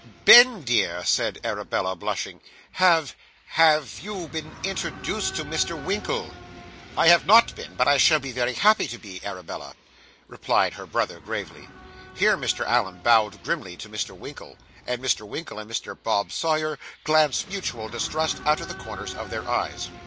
'Ben, dear!' said Arabella, blushing; 'have have you been introduced to Mr. Winkle?' 'I have not been, but I shall be very happy to be, Arabella,' replied her brother gravely. Here Mr. Allen bowed grimly to Mr. Winkle, while Mr. Winkle and Mr. Bob Sawyer glanced mutual distrust out of the corners of their eyes.